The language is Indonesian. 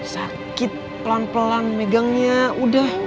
sakit pelan pelan megangnya udah